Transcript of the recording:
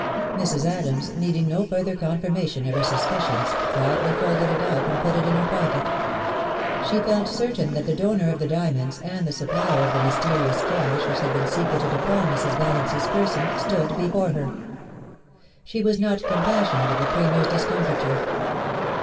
396 POLICY AND PASSION. Mrs. Adams, needing no further confirmation of her sus picions, quietly folded it up and put it in her pocket She felt certain that the donor of the diamonds, and the supi^ of the mysterious cash which had been secreted upon Mis Valiancy's person, stood before her. She was not com passionate of the Premier's discomfiture.